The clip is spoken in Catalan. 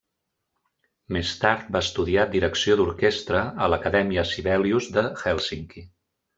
Més tard va estudiar direcció d'orquestra a l'Acadèmia Sibelius de Hèlsinki.